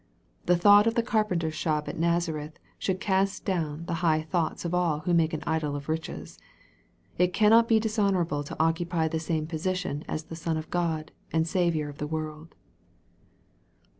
The thought of the carpenter's shop at Nazareth, should cast down the high thoughts of all who make an idol of riches. It cannot be dishonorable to occupy the same position as the Son of God, and Saviour of the world.